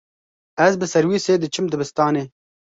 Ez bi serwîsê diçim dibistanê.